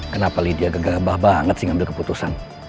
kenapa lydia gegabah banget sih ngambil keputusan